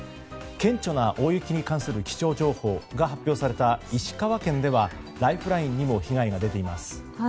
顕著な大雪に関する気象情報が発表された石川県ではライフラインにも被害が出ています。